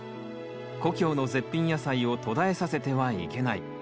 故郷の絶品野菜を途絶えさせてはいけない。